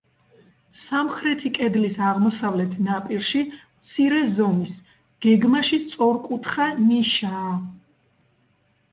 სამხრეთი კედლის აღმოსავლეთ ნაპირში მცირე ზომის, გეგმაში სწორკუთხა, ნიშაა.